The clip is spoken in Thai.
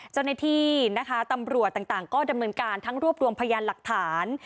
เจ้าหน้าที่นะคะตำรวจต่างก็ดำเนินการทั้งรวบรวมพยานหลักฐาน